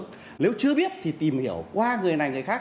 nếu chưa biết thì tìm hiểu qua người này người khác